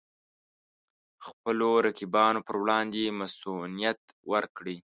خپلو رقیبانو پر وړاندې مصئونیت ورکړي.